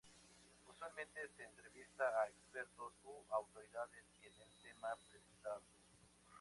Usualmente se entrevista a expertos o autoridades en el tema presentado.